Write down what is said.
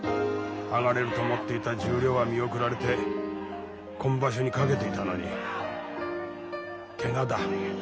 上がれると思っていた十両は見送られて今場所にかけていたのにケガだ。